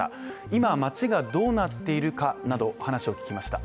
今、街がどうなっているかなど話を聞きました。